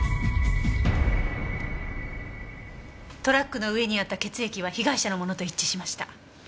トラックの上にあった血液は被害者のものと一致しました。